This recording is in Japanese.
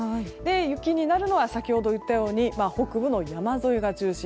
雪になるのは先ほど言ったように北部の山沿いが中心。